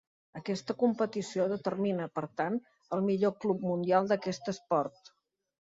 Aquesta competició determina, per tant, el millor club mundial d'aquest esport.